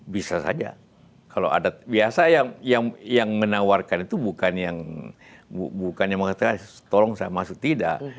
bisa saja kalau ada biasa yang menawarkan itu bukan yang mengatakan tolong saya maksud tidak